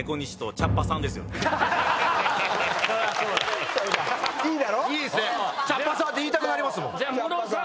茶っぱさんって言いたくなりますもん。